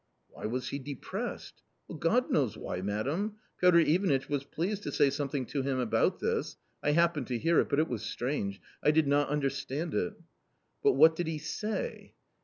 " Why was he depressed ?"" God knows why, madam. Piotr Ivanitch was pleased to say something to him about this ; I happened to hear it, but it was strange ; I did not understand it." " But what did he say